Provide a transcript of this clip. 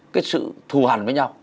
cái sự thù hẳn với nhau